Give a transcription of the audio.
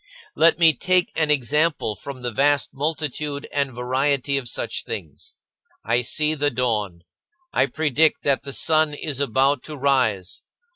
Let me take an example from the vast multitude and variety of such things. I see the dawn; I predict that the sun is about to rise.